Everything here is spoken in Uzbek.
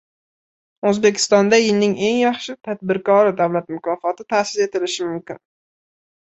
O‘zbekistonda “Yilning eng yaxshi tadbirkori” davlat mukofoti ta’sis etilishi mumkin